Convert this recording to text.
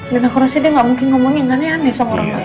dan aku rasa dia gak mungkin ngomongin karena aneh sama orang lain